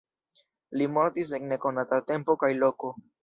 Li mortis en nekonata tempo kaj loko.